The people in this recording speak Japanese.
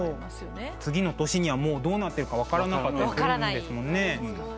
次の年にはもうどうなってるか分からなかったりするんですもんね。